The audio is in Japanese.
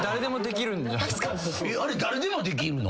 あれ誰でもできんの？